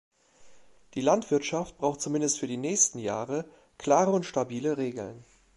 Die Landwirtschaft braucht zumindest für die nächsten Jahre klare und stabile Regeln.